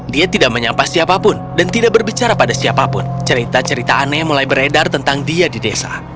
dia tidak menyampah siapapun dan tidak berbicara pada siapapun cerita cerita aneh mulai beredar tentang dia di desa